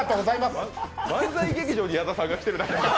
漫才劇場に矢田さんが来てるだけで。